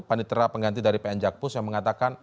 panitera pengganti dari pn jakpus yang mengatakan